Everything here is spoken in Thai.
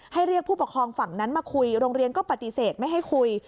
เรียกผู้ปกครองฝั่งนั้นมาคุยโรงเรียนก็ปฏิเสธไม่ให้คุย